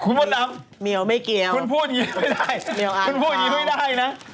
คุณพูดอย่างนี้ไม่ได้นะ